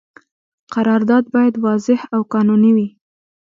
قرارداد باید واضح او قانوني وي.